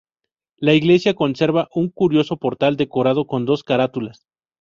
La iglesia conserva un curioso portal decorado con dos carátulas.